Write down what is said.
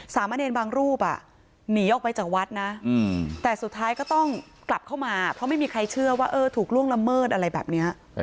สามเณรบางรูปหนีออกไปจากวัดนะแต่สุดท้ายก็ต้องกลับเข้ามาเพราะไม่มีใครเชื่อว่าเออถูกล่วงละเมิดอะไรแบบนี้